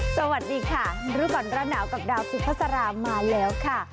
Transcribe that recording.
สวัสดีค่ะรู้ก่อนร้อนหนาวกับดาวสุภาษามาแล้วค่ะ